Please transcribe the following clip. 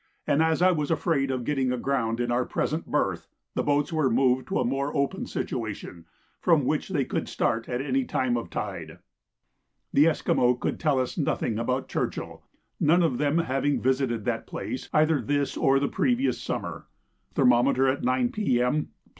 and, as I was afraid of getting aground in our present berth, the boats were moved to a more open situation from which they could start at any time of tide. The Esquimaux could tell us nothing about Churchill, none of them having visited that place either this or the previous summer. Thermometer at 9 P.M. +53.